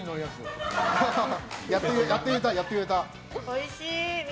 おいしい！